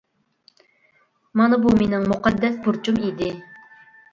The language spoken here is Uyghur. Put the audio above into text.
مانا بۇ مېنىڭ مۇقەددەس بۇرچۇم ئىدى.